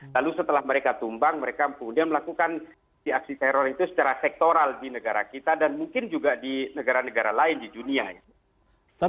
lalu setelah mereka tumbang mereka kemudian melakukan aksi aksi teror itu secara sektoral di negara kita dan mungkin juga di negara negara lain di dunia